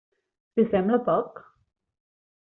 Li sembla poc?